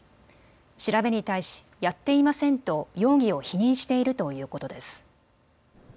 調べに対しやっていませんと容疑を否認しているということです。